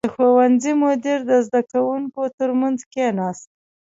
• د ښوونځي مدیر د زده کوونکو تر منځ کښېناست.